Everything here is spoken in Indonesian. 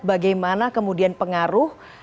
bagaimana kemudian pengaruh